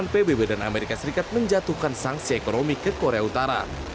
pbb dan amerika serikat menjatuhkan sanksi ekonomi ke korea utara